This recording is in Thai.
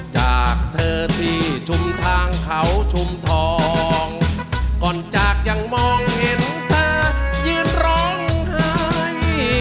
จากเธอที่ชุมทางเขาชุมทองก่อนจากยังมองเห็นเธอยืนร้องไห้